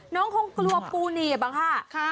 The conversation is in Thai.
น้องคงกลัวปูหนีบหรือเปล่าค่ะ